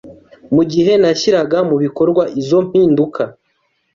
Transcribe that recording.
Mu gihe nashyiraga mu bikorwa izo mpinduka